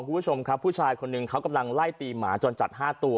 คุณผู้ชมครับผู้ชายคนหนึ่งเขากำลังไล่ตีหมาจรจัด๕ตัว